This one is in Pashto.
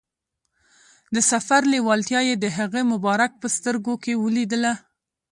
د سفر لیوالتیا یې د هغه مبارک په سترګو کې ولیدله.